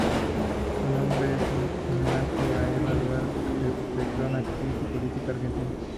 Su nombre es un homenaje a Eva Duarte de Perón, actriz y política argentina.